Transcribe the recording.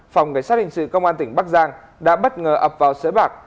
phòng cảnh sát hình sự công an tỉnh bắc giang đã bất ngờ ập vào sới bạc